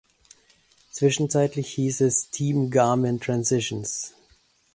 Zwischenzeitlich hieß es „Team Garmin-Transitions“.